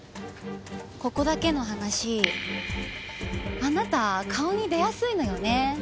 ここだけの話あなた顔に出やすいのよね。